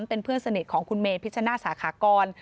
เป็นเพื่อนสนิทของคุณเมพิชนาสาขากร